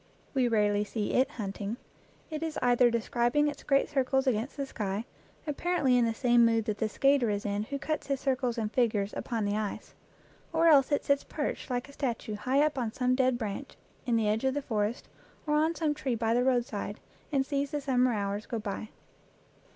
We rarely see it hunting; it is either describing its great circles against the sky, apparently in the same mood that the skater is in who cuts his circles and figures upon the ice; or else it sits perched like a statue high up on some dead branch in the edge of the forest, or on some tree by the roadside, and sees the sum mer hours go by.